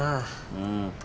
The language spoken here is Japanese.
うん。